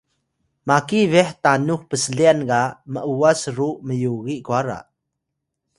maki beh tanux pslyan ga m’was ru myugiy kwara